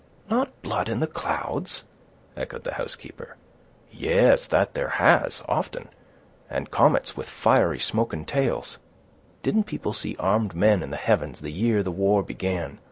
"Not blood in the clouds!" echoed the housekeeper. "Yes, that there has, often, and comets with fiery, smoking tails. Didn't people see armed men in the heavens, the year the war began?